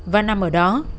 và nằm ở đó